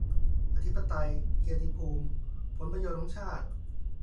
อธิปไตย เกียรติภูมิ ผลประโยชน์ของชาติ